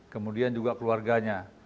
kemudian juga keluarganya